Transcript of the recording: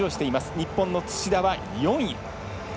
日本の土田は４位。